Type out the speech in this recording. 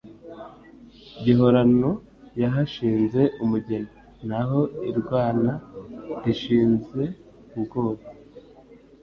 Gihorano yahashinze umugeni. Naho irwana rishize ubwoba,